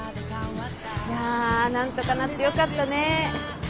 いや何とかなってよかったね。